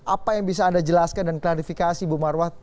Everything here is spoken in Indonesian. apa yang bisa anda jelaskan dan klarifikasi ibu marwah